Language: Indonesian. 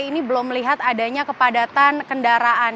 ini belum melihat adanya kepadatan kendaraan